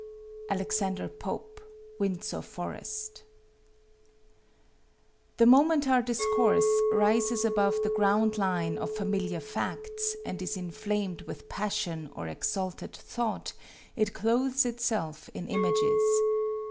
ALEXANDER POPE, Windsor Forest. The moment our discourse rises above the ground line of familiar facts, and is inflamed with passion or exalted thought, it clothes itself in images.